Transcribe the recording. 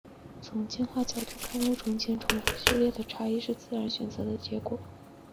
从进化角度看物种间重复序列的差异是自然选择的结果。